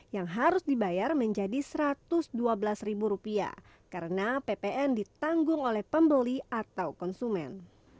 yang harus dibayar menjadi rp satu ratus dua belas karena ppn ditanggung oleh pembeli atau konsumen